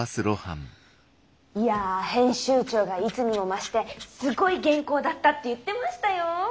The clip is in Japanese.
いや編集長がいつにも増してすごい原稿だったって言ってましたよォ。